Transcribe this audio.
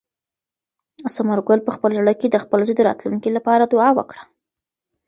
ثمر ګل په خپل زړه کې د خپل زوی د راتلونکي لپاره دعا وکړه.